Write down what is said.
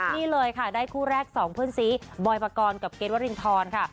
นี่เลยค่ะได้คู่แรกสองเพื่อนซีบอยปกรณ์กับเกรทวรินทรค่ะ